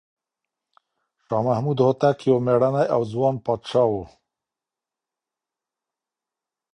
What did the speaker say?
شاه محمود هوتک یو مېړنی او ځوان پاچا و.